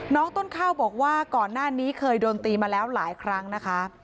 น้องต้นข้าวบอกว่าก่อนหน้านี้เคยโดนตีมาแล้วหลายครั้งนะคะ